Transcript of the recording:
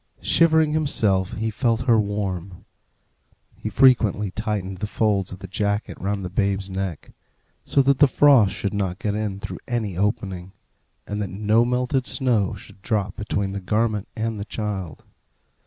Shivering himself, he felt her warm. He frequently tightened the folds of the jacket round the babe's neck, so that the frost should not get in through any opening, and that no melted snow should drop between the garment and the child.